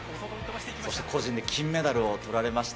そして、個人で金メダルをとられました。